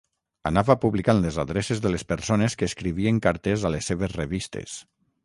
Anava publicant les adreces de les persones que escrivien cartes a les seves revistes.